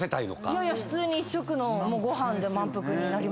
いやいや普通に１食のご飯で満腹になりますよ。